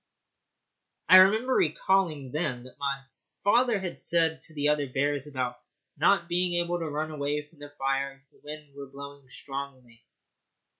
I remember recalling then what my father had said to the other bears about not being able to run away from the fire if the wind were blowing strongly.